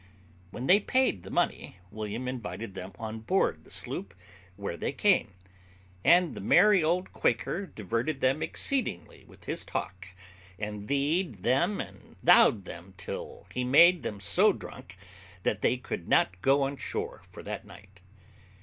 When they paid the money, William invited them on board the sloop, where they came; and the merry old Quaker diverted them exceedingly with his talk, and "thee'd" them and "thou'd" them till he made them so drunk that they could not go on shore for that night.